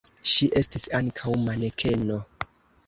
Ŝi estis ankaŭ manekeno.